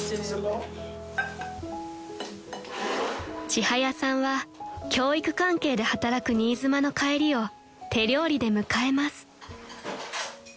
［ちはやさんは教育関係で働く新妻の帰りを手料理で迎えます］